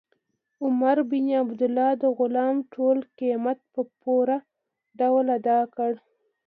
عمر بن عبیدالله د غلام ټول قیمت په پوره ډول ادا کړ.